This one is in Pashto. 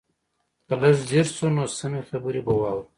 که لږ ځير شو نو سمې خبرې به واورو.